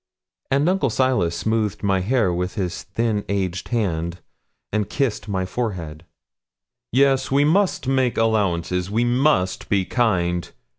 And Uncle Silas smoothed my hair with his thin aged hand, and kissed my forehead. 'Yes, we must make allowances; we must be kind.